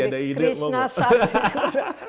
ada ide mau krishna sakti